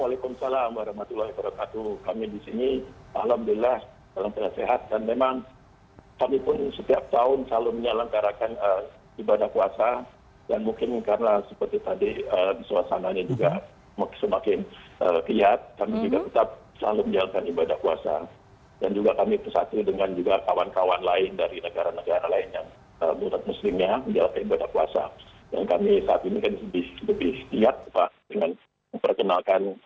waalaikumsalam warahmatullahi wabarakatuh kami di sini alhamdulillah dalam keadaan sehat dan memang kami pun setiap tahun selalu menyalankan ibadah puasa dan mungkin karena seperti tadi suasananya juga semakin kiat kami juga tetap selalu menjalankan ibadah puasa dan juga kami bersatu dengan juga kawan kawan lain dari negara negara lain yang menurut muslimnya menjalankan ibadah puasa dan kami saat ini lebih setiat dengan memperkenalkan